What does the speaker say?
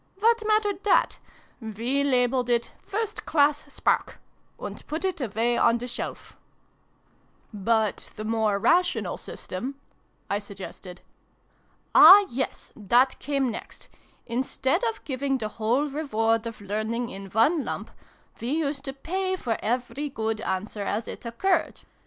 What mattered that ? We labeled it ' First Class Spark,' and put it away on the shelf." 186 SYLVIE AND BRUNO CONCLUDED " But the more rational system ?" I suggested. "Ah, yes! that came next. Instead of giving the whole reward of learning in one lump, we used to pay for every good answer as it occurred.